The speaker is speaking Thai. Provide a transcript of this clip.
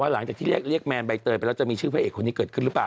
หลังจากที่เรียกแมนใบเตยไปแล้วจะมีชื่อพระเอกคนนี้เกิดขึ้นหรือเปล่า